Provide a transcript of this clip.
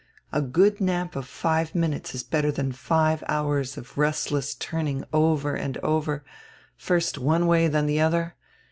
A good nap of five minutes is better than five hours of rest less turning over and over, first one way, then the other.